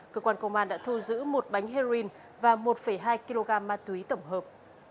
cơ quan công an đã thu giữ một bánh heroin và một hai kg ma túy tổng hợp